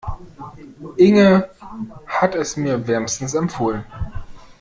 Inge hat es mir wärmstens empfohlen.